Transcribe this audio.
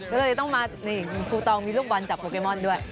ก็เลยต้องมานี่ครูตองมีลูกบอลจับโปเกมอนด้วย